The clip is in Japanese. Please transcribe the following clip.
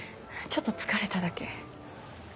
ちょっと疲れただけ。